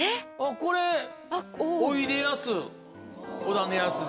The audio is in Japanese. これおいでやす小田のやつで。